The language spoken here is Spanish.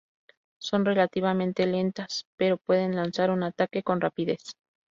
Son relativamente lentas pero pueden lanzar un ataque con rapidez.